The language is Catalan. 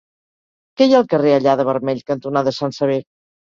Què hi ha al carrer Allada-Vermell cantonada Sant Sever?